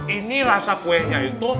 ini rasa kuenya itu